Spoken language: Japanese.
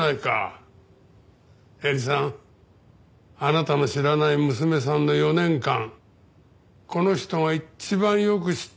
エリさんあなたの知らない娘さんの４年間この人が一番よく知ってるんですよ。